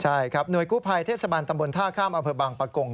ใช่ครับหน่วยกู้ภัยเทศบรรย์ตำบลท่าข้ามอเผอร์บังประกง